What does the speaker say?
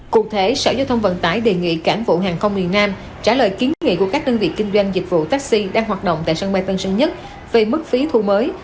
cụ thể sở giao thông vận tải đề nghị cảng vụ hàng không miền nam trả lời kiến nghị của các đơn vị kinh doanh dịch vụ taxi đang hoạt động tại sân bay tân sơn nhất về mức phí thu mới